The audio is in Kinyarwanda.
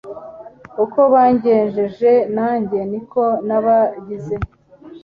uko bangenjeje nanjye ni ko nabagize